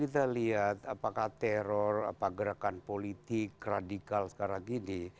kita lihat apakah teror apa gerakan politik radikal sekarang ini